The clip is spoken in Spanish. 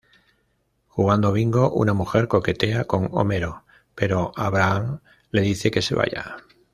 Jugando bingo, una mujer coquetea con Homero, pero Abraham le dice que se vaya.